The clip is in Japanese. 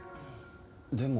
でも。